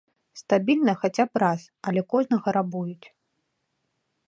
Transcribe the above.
Стабільна хаця б раз, але кожнага рабуюць.